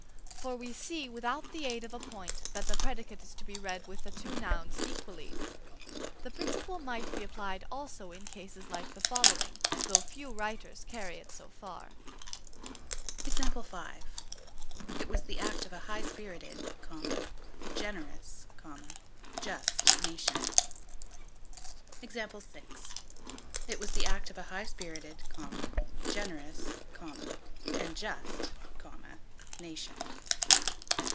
For we see without the aid of a point that the predicate is to be read with the two nouns equally. The principle might be applied also in cases like the following, though few writers carry it so far: It was the act of a high spirited, generous, just nation. It was the act of a high spirited, generous, and just, nation.